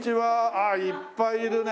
ああいっぱいいるね。